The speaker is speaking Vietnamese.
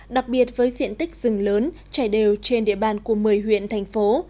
đặc biệt với diện tích rừng lớn chảy đều trên địa bàn của một mươi huyện thành phố